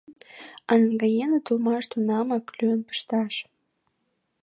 А наҥгаеныт улмаш тунамак лӱен пышташ.